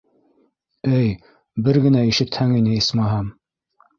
Эй, бер генә ишетһәң ине, исмаһам.